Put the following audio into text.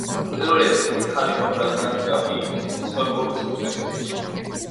პირველი თურქი ქალი, რომელმაც განათლება მიიღო სორბონის უნივერსიტეტში.